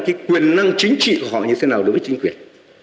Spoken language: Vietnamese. cái quyền năng chính trị của họ như thế nào đối với chính quyền